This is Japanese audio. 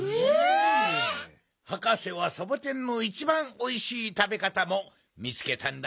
はかせはサボテンのいちばんおいしいたべかたもみつけたんだよ。